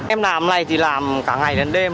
em làm này thì làm cả ngày đến đêm